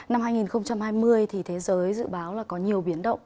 năm hai nghìn hai mươi thì thế giới dự báo là có nhiều biến động